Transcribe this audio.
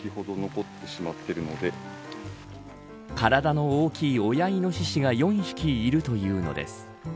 体の大きい親イノシシが４匹いるというのです。